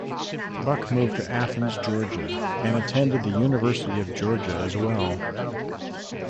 Buck moved to Athens, Georgia, and attended the University of Georgia as well.